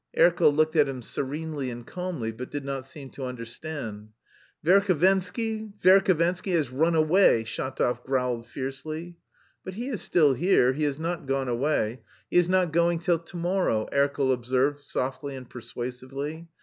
Erkel looked at him serenely and calmly but did not seem to understand. "Verhovensky, Verhovensky has run away!" Shatov growled fiercely. "But he is still here, he is not gone away. He is not going till to morrow," Erkel observed softly and persuasively.